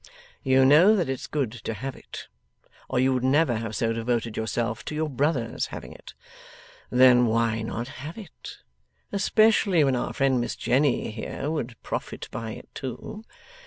You know that it's good to have it, or you would never have so devoted yourself to your brother's having it. Then why not have it: especially when our friend Miss Jenny here would profit by it too?